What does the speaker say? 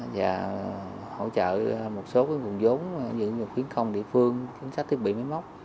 và hỗ trợ một số nguồn vốn như khuyến công địa phương kiến sách thiết bị máy móc